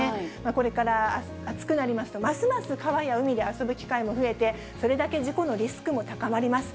これから暑くなりますと、ますます川や海で遊ぶ機会も増えて、それだけ事故のリスクも高まります。